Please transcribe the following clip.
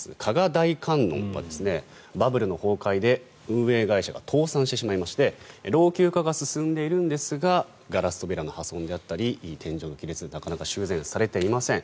大観音はバブルの崩壊で運営会社が倒産してしまいまして老朽化が進んでいるんですがガラス扉の破損であったり天井の亀裂なかなか修繕されていません。